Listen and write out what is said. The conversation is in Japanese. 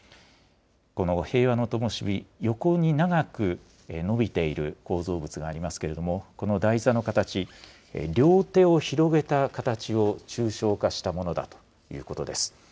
この平和のともし火、横に長くのびている構造物がありますけれども、この台座の形、両手を広げた形を抽象化したものだということです。